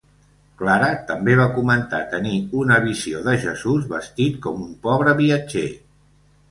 Clara també va comentar tenir una visió de Jesús vestit com un pobre viatger.